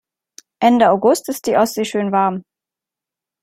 Ende August ist die Ostsee schön warm.